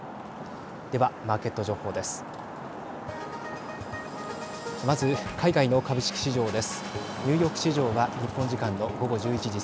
ではマーケット情報です。